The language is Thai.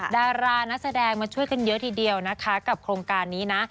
ดารานักแสดงมาช่วยกันเยอะทีเดียวนะคะกับโครงการนี้นะ